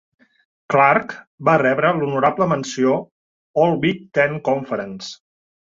Clark va rebre l'honorable menció All-Big Ten Conference.